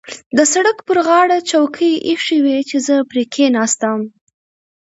د سړک پر غاړه چوکۍ اېښې وې چې زه پرې کېناستم.